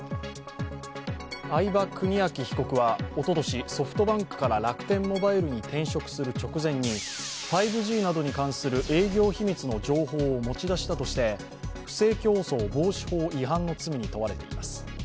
合場邦章被告はおととし、ソフトバンクから楽天モバイルに転職する直前に５Ｇなどに関する営業秘密の情報を持ち出したとして、不正競争防止法違反の罪に問われています。